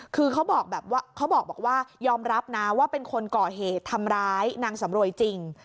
คือเขาบอกว่ายอมรับนะว่าเป็นคนก่อเหตุทำร้ายนางสำรวยจริง